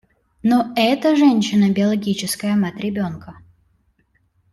Но эта женщина – биологическая мать ребенка.